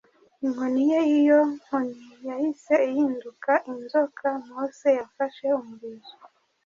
inkoni ye Iyo nkoni yahise ihinduka inzoka Mose yafashe umurizo